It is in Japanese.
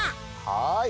はい。